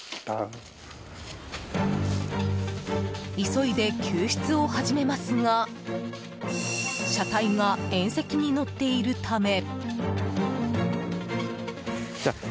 急いで救出を始めますが車体が縁石に乗っているため。